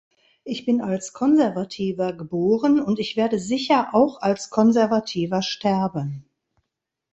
Ich bin als Konservativer geboren und ich werde sicher auch als Konservativer sterben.